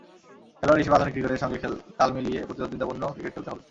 খেলোয়াড় হিসেবে আধুনিক ক্রিকেটের সঙ্গে তাল মিলিয়ে প্রতিদ্বন্দ্বিতাপূর্ণ ক্রিকেট খেলতে হবে।